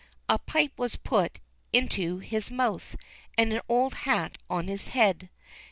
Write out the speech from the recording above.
A pipe was put into his mouth, and an old hat on his head.